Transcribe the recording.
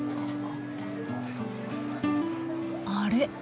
あれ？